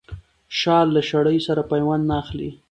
شال له شړۍ سره پيوند نه اخلي.